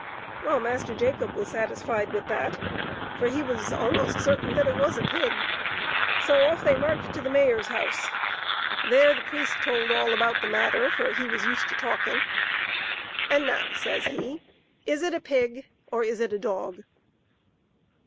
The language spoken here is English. Well, Master Jacob was satisfied with that, for he was almost certain that it was a pig. So off they marched to the mayor's house. There the a5$ter3|acob cornet to t (oton i66 MASTER JACOB. priest told all about the matter, for he was used to talking. " And now," says he, " is it a pig, or is it a dog?